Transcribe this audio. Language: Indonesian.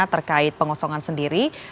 terkait pengosongan sendiri